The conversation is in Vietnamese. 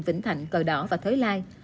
vĩnh thạnh cờ đỏ và thới lai